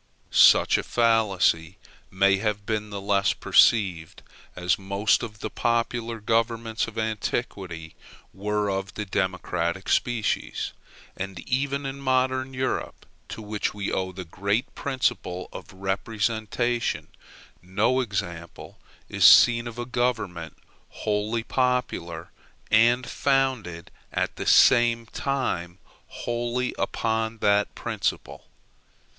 Such a fallacy may have been the less perceived, as most of the popular governments of antiquity were of the democratic species; and even in modern Europe, to which we owe the great principle of representation, no example is seen of a government wholly popular, and founded, at the same time, wholly on that principle.